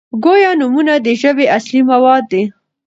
ګویا نومونه د ژبي اصلي مواد دي.